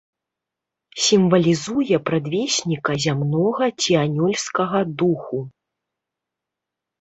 Сімвалізуе прадвесніка зямнога ці анёльскага духу.